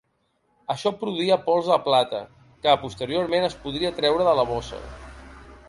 Això produïa pols de plata, que posteriorment es podria treure de la bossa.